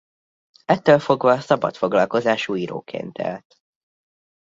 Ettől fogva szabadfoglalkozású íróként élt.